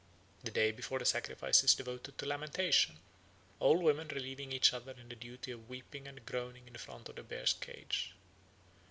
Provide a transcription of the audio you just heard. The day before the sacrifice is devoted to lamentation, old women relieving each other in the duty of weeping and groaning in front of the bear's cage.